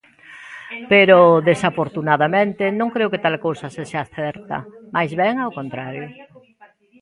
Pero desafortunadamente non creo que tal cousa sexa certa, máis ben ao contrario.